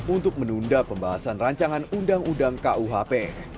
untuk menunda pembahasan rancangan undang undang kuhp